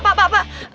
pak pak pak